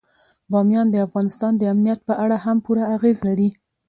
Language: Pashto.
بامیان د افغانستان د امنیت په اړه هم پوره اغېز لري.